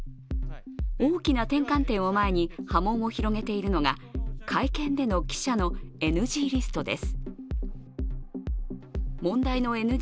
大きな転換点を前に波紋を広げているのが会見での記者の ＮＧ リストです。